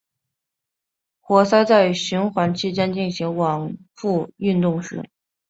活塞在循环期间进行往复运动时。